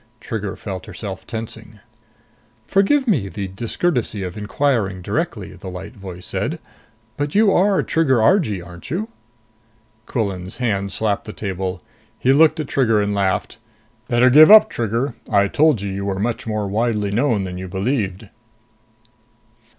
Trigger felt herself tensing. "Forgive me the discourtesy of inquiring directly," the light voice said. "But you are Trigger Argee, aren't you?" Quillan's hand slapped the table. He looked at Trigger and laughed. "Better give up, Trigger! I told you you were much more widely known than you believed."